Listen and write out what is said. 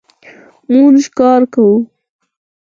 مونږ کار کوو